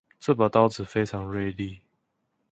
這把刀子非常銳利